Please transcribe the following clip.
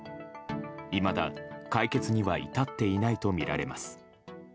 いまだ解決には至っていないとみられます。